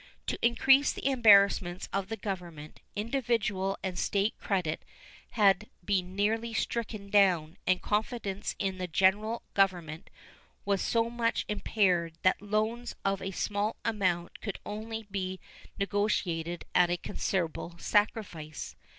To increase the embarrassments of the Government, individual and State credit had been nearly stricken down and confidence in the General Government was so much impaired that loans of a small amount could only be negotiated at a considerable sacrifice.